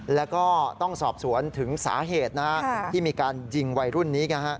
แล้วก็ต้องสอบสวนถึงสาเหตุที่มีการยิงวัยรุ่นนี้